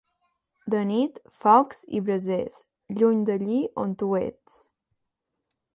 De nit, focs i brasers, lluny d'allí on tu ets.